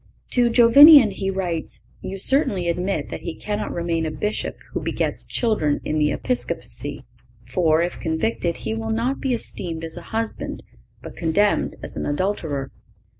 (523) To Jovinian he writes: "You certainly admit that he cannot remain a Bishop who begets children in the episcopacy; for, if convicted, he will not be esteemed as a husband, but condemned as an adulterer."